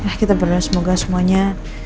ya kita berdoa semoga semuanya